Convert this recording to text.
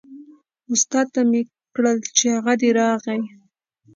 استاد ته مې کړل چې هغه دی راغی.